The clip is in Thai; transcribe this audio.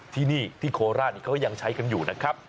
ที่นี่ที่โคราชนี้เขายังใช้กันอยู่นะครับ